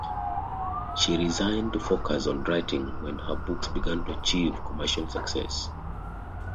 She resigned to focus on writing when her books began to achieve commercial success.